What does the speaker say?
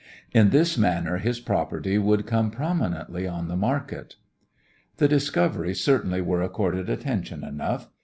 In this manner his property would come prominently on the market. The discoveries certainly were accorded attention enough.